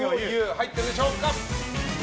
入っているでしょうか。